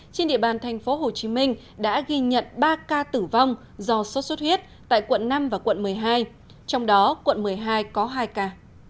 trên địa bàn tp hcm đã ghi nhận ba ca tử vong do sốt xuất huyết tại quận năm và quận một mươi hai trong đó quận một mươi hai có hai ca